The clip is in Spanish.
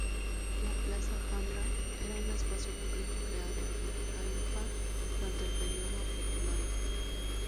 La plaza Hamra era un espacio público creado en Haifa durante el período otomano.